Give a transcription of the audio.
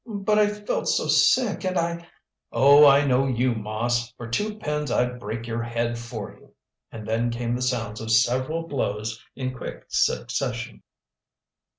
"But I felt so sick, and I " "Oh, I know you, Moss. For two pins I'd break your head for you!" And then came the sounds of several blows in quick succession.